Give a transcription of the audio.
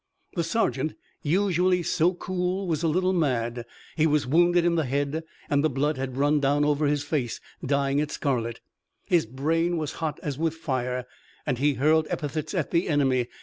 The sergeant, usually so cool, was a little mad. He was wounded in the head, and the blood had run down over his face, dyeing it scarlet. His brain was hot as with fire, and he hurled epithets at the enemy.